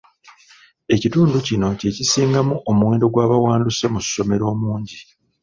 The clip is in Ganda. Ekitundu kino kye kisingamu omuwendo gw'abawanduse mu ssomero omungi.